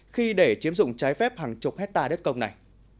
khi để chiếm dụng trái phép hàng chục hectare đất công này